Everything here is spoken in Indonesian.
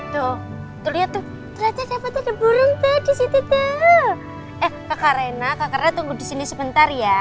tuh tuh lihat tuh ada burung tadi di situ tuh eh kakarena kakarena tunggu di sini sebentar ya